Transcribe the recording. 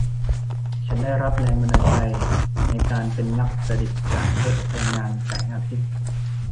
ฉันได้รับแรงบันดาลใจในการเป็นนักประดิษฐ์จากรถพลังงานแสงอาทิตย์